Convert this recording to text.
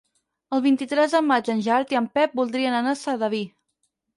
El vint-i-tres de maig en Gerard i en Pep voldrien anar a Sedaví.